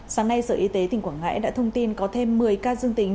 sáng nay sở y tế tp hcm đã thông tin có thêm một mươi ca dương tính